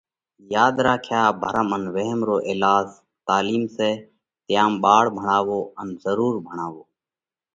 ياڌ راکيا ڀرم ان وهم رو ايلاز تعلِيم سئہ، تيام ٻاۯ ڀڻاوو ان ضرُور ڀڻاوو۔